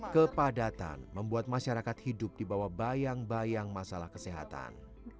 kepadatan membuat masyarakat hidup dibawa bayang bayang masalah kesehatan